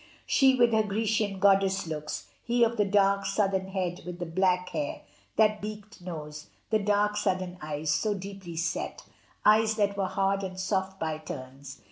She with her Grecian goddess looks, he of the dark, southern head with the black hair, that beaked nose, the dark, sudden eyes, so deeply set, eyes that were hard and soft by turns.